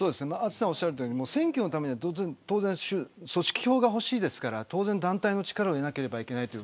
淳さんがおっしゃるように選挙のために組織票が欲しいので当然、団体の力を得なければいけない。